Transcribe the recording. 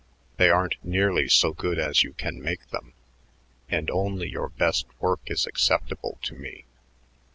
They aren't nearly so good as you can make them, and only your best work is acceptable to me.